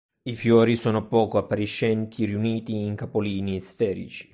I fiori sono poco appariscenti, riuniti in capolini sferici.